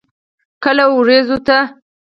کله ورېځو ته.